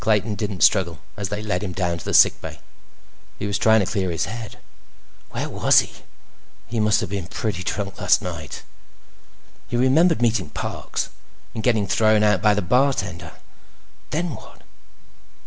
Clayton didn't struggle as they led him down to the sick bay. He was trying to clear his head. Where was he? He must have been pretty drunk last night. He remembered meeting Parks. And getting thrown out by the bartender. Then what?